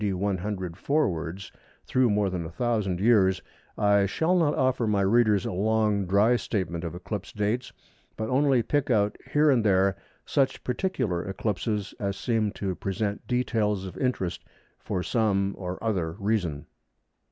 D. 100 forwards through more than 1000 years, I shall not offer my readers a long dry statement of eclipse dates, but only pick out here and there such particular eclipses as seem to present details of interest for some or other reason.